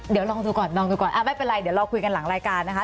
เดี๋ยวลองดูก่อนลองดูก่อนไม่เป็นไรเดี๋ยวเราคุยกันหลังรายการนะคะ